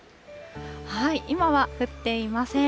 今は降っていません。